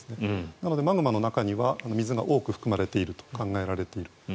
なので、マグマの中には水が多く含まれていると考えられている。